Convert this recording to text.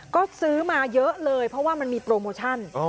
ก็ซื้อมาเยอะเลยเพราะว่ามันมีโปรโมชั่น